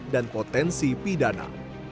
dan potensi pidana